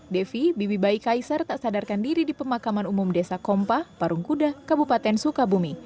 devi bibi bayi kaisar tak sadarkan diri di pemakaman umum desa kompah parungkuda kabupaten sukabumi